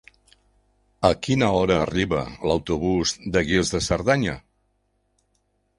A quina hora arriba l'autobús de Guils de Cerdanya?